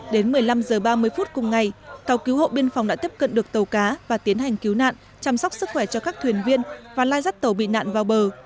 đến một mươi năm h ba mươi phút cùng ngày tàu cứu hộ biên phòng đã tiếp cận được tàu cá và tiến hành cứu nạn chăm sóc sức khỏe cho các thuyền viên và lai rắt tàu bị nạn vào bờ